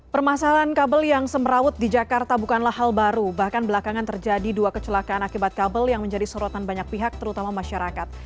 permasalahan kabel yang semeraut di jakarta bukanlah hal baru bahkan belakangan terjadi dua kecelakaan akibat kabel yang menjadi sorotan banyak pihak terutama masyarakat